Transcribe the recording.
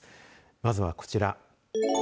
まずはこちら。